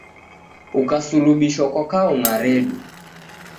Ukasulubishwa kwa kaung'a redu.